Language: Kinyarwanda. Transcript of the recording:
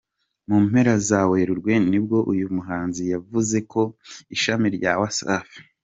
Mu mpera za werurwe nibwo uyu muhanzi yavuze ko ishami rya Wasafi.